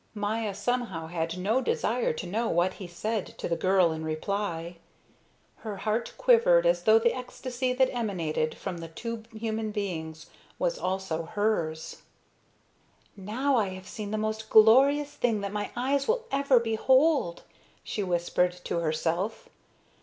Maya somehow had no desire to know what he said to the girl in reply. Her heart quivered as though the ecstasy that emanated from the two human beings was also hers. "Now I have seen the most glorious thing that my eyes will ever behold," she whispered to herself.